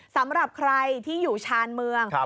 สำหรับใครที่อยู่ชานเมือง